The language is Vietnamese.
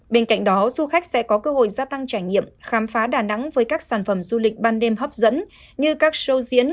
bên cạnh đó du khách sẽ có cơ hội gia tăng trải nghiệm khám phá đà nẵng với các sản phẩm du lịch ban đêm hấp dẫn như các show diễn